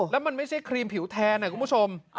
แล้วมันไม่ใช่ครีมผิวแทนคุณผู้ชม